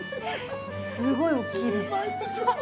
すごい大きいです。